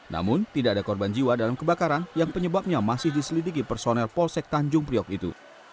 namun tidak ada korban jiwa dalam kebakaran yang penyebabnya masih diselidiki personel polsek tanjung priok itu